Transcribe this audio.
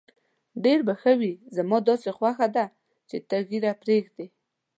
ډېر به ښه وي، زما داسې خوښه ده چې ته ږیره پرېږدې.